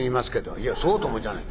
「いやそうともじゃない。